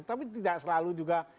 tapi tidak selalu juga